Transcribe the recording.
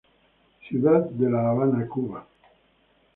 Ciudad de la Habana.Cuba.